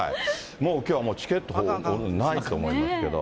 きょうはもうチケットないと思いますけど。